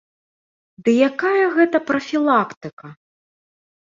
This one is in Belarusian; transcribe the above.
Дык якая гэта прафілактыка?